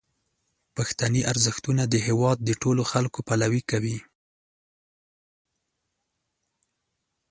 پښتني ارزښتونه د هیواد د ټولو خلکو پلوي کوي.